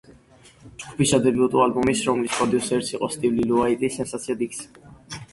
ჯგუფის სადებიუტო ალბომის, რომლის პროდიუსერიც იყო სტივ ლილიუაიტი, სენსაციად იქცა.